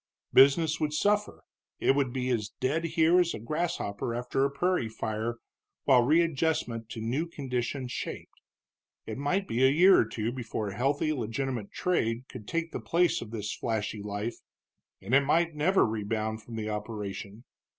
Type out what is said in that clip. Business would suffer; it would be as dead here as a grasshopper after a prairie fire while readjustment to new conditions shaped. It might be a year or two before healthy legitimate trade could take the place of this flashy life, and it might never rebound from the operation.